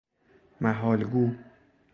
محال گو